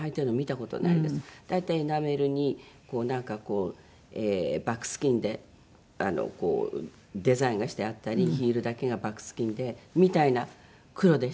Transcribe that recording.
大体エナメルになんかこうバックスキンでこうデザインがしてあったりヒールだけがバックスキンでみたいな黒でしたらね。